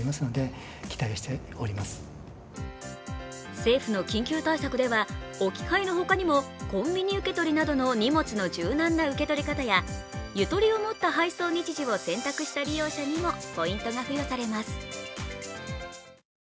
政府の緊急対策では、置き配の他にもコンビニ受け取りなどの荷物の柔軟な受け取り方や、ゆとりを持った配送日時を選択した利用者にもポイントが付与されます。